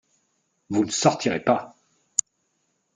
Vous ne sortirez pas !